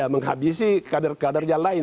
menghabisi kader kadernya lain